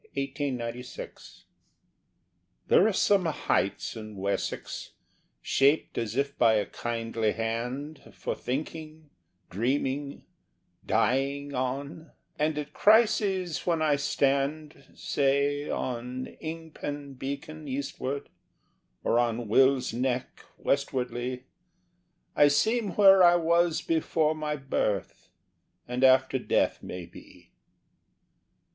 WESSEX HEIGHTS (1896) THERE are some heights in Wessex, shaped as if by a kindly hand For thinking, dreaming, dying on, and at crises when I stand, Say, on Ingpen Beacon eastward, or on Wylls Neck westwardly, I seem where I was before my birth, and after death may be.